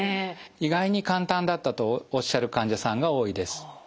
意外に簡単だったとおっしゃる患者さんが多いです。